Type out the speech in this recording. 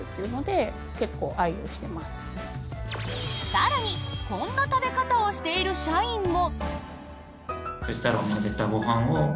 更に、こんな食べ方をしている社員も。